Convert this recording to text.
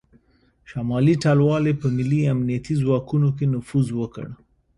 شمالي ټلوالې په ملي امنیتي ځواکونو کې نفوذ وکړ